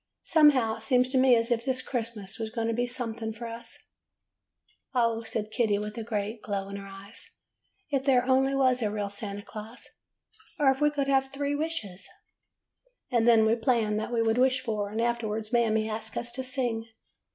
Somehow it seems to me as if this Christmas was going to do something for us.' " 'O,' said Kitty, with a great glow in her eyes, 'if there only was a real Santa Claus ! Or if we could have three wishes!' ''And then we planned what we would wish for, and afterward Mammy asked us to sing.